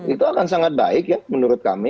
itu akan sangat baik ya menurut kami